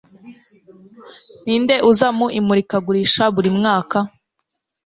Ninde uza mu imurikagurisha buri mwaka